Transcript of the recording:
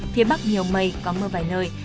phía bắc nhiều mây có mưa vài nơi